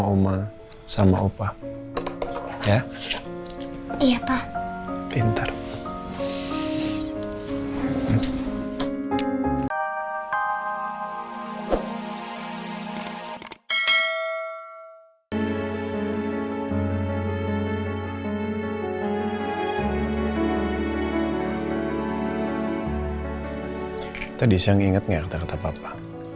rumah sama opah ya iya pak pintar tadi sang inget nggak kata kata papa